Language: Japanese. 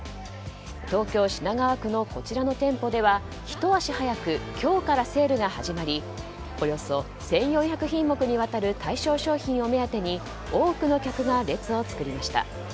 東京・品川区のこちらの店舗ではひと足早く今日からセールが始まりおよそ１４００品目にわたる対象商品を目当てに多くの客が列を作りました。